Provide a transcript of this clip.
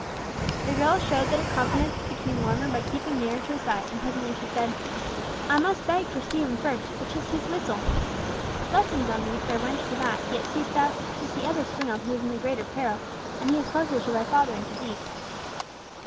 The girl showed that her confidence became warmer by keeping nearer to his side, and presently she said, "I must beg for Stephen first, for 'tis his whistle." "Blessings on thee, fair wench, for that, yet seest thou, 'tis the other springald who is in the greater peril, and he is closer to thy father and to thee."